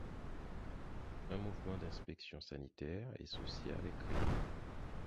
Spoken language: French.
Un mouvement d'inspection sanitaire et sociale est créé.